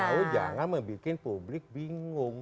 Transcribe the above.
mau jangan membuat publik bingung